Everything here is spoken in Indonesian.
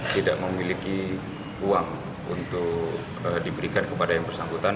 tidak memiliki uang untuk diberikan kepada yang bersangkutan